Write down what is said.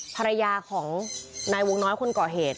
ภรรยาของนายวงน้อยคนก่อเหตุ